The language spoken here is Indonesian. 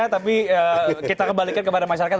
tapi kita kembalikan kepada masyarakat